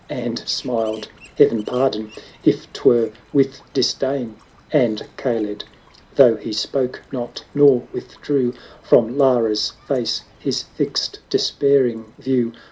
And smiled — Heaven pardon ! if 'tvv'ere with disdain: And Kaled, though he spoke not, nor withdrew From Lara's face his fixed despairing view.